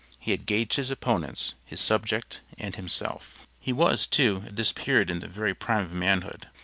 He had gauged his opponents, his subject and HIMSELF. He was, too, at this period in the very prime of manhood.